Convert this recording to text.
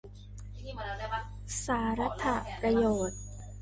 สารัตถประโยชน์